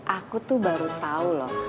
aku tuh baru tahu loh